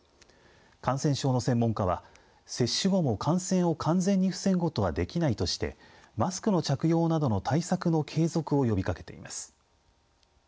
感染症の専門家は接種後も感染を完全に防ぐことはできないとしてマスクの着用などの対策の継続を呼びかけています。